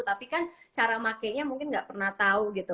tapi kan cara makanya mungkin gak pernah tahu gitu